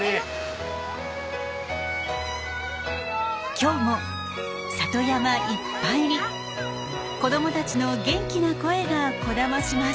今日も里山いっぱいに子どもたちの元気な声がこだまします。